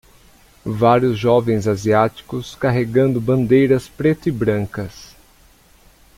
vários jovens asiáticos carregando bandeiras preto e brancas